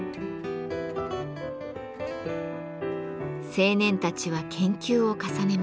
青年たちは研究を重ねました。